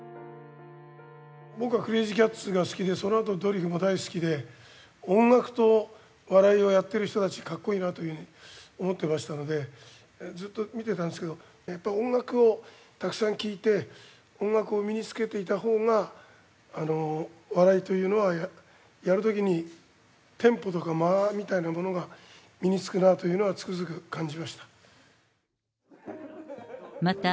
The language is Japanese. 僕はクレージーキャッツが好きで、そのあとドリフが大好きで、音楽と笑いをやっている人たち、かっこいいなというふうに思ってましたので、ずっと見てたんですけど、やっぱ音楽をたくさん聴いて、音楽を身につけていたほうが、笑いというのはやるときにテンポとか間合いみたいなものが身につくなというのはつくづく感じました。